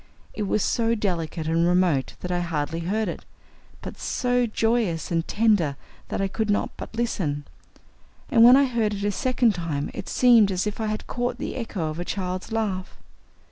It was so delicate and remote that I hardly heard it, but so joyous and tender that I could not but listen, and when I heard it a second time it seemed as if I caught the echo of a child's laugh.